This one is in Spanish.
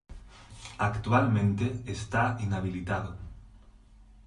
Actualmente está inhabilitado.